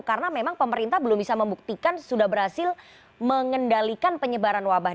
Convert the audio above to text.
karena memang pemerintah belum bisa membuktikan sudah berhasil mengendalikan penyebaran wabah